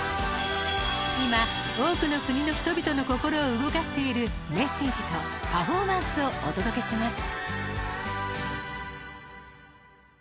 今、多くの国の人々の心を動かしているメッセージとパフォーマンスをお届けします。